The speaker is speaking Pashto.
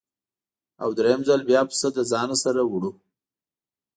او درېیم ځل بیا پسه له ځانه سره وړو.